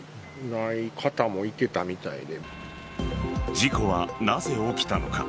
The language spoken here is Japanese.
事故はなぜ起きたのか。